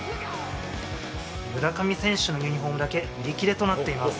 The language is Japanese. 村上選手のユニホームだけ売り切れとなっています。